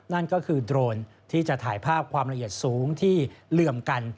นั่นก็คือโดรนที่จะถ่ายภาพความละเอียดสูงที่เหลื่อมกัน